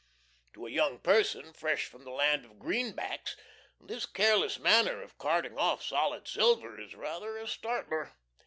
To a young person fresh from the land of greenbacks this careless manner of carting off solid silver is rather a startler.